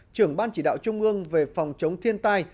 trưởng ban chỉ đạo trung ương về phòng chống thiên tai